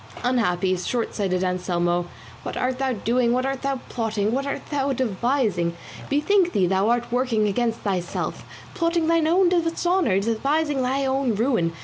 Unhappy, shortsighted Anselmo, what art thou doing, what art thou plotting, what art thou devising? Bethink thee thou art working against thyself, plotting thine own dishonour, devising thine own ruin.